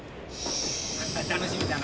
楽しみだな。